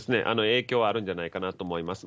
影響はあるんじゃないかなと思います。